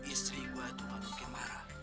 istri gue tuh gak mungkin marah